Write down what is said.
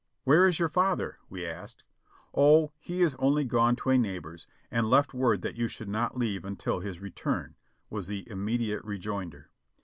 "Where is your father?" we asked. "O, he is only gone to a neighbors, and left word that you should not leave until his return," was the immediate rejoinder.